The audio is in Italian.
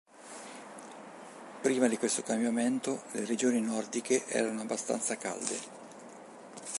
Prima di questo cambiamento, le regioni nordiche erano abbastanza calde.